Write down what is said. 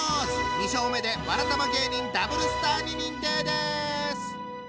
２勝目でわらたま芸人ダブルスターに認定です！